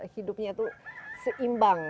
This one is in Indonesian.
hidupnya itu seimbang